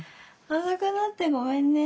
遅くなってごめんね。